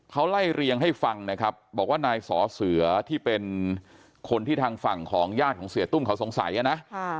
เขาไล่เรียงให้ฟังนะครับบอกว่านายสอเสือที่เป็นคนที่ทางฝั่งของญาติของเสียตุ้มเขาสงสัยนะ